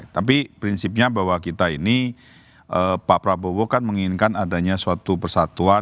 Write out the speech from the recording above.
tapi prinsipnya bahwa kita ini pak prabowo kan menginginkan adanya suatu persatuan